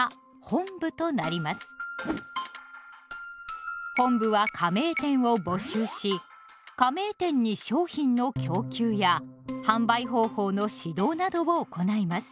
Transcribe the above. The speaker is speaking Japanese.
本部は加盟店を募集し加盟店に商品の供給や販売方法の指導などを行います。